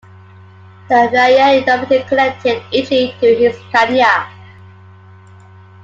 The Via Domitia connected Italy to Hispania.